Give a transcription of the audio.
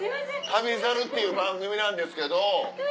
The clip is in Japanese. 『旅猿』っていう番組なんですけど。